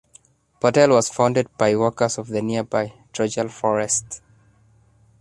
Bothel was founded by workers of the nearby "Trochel Forest".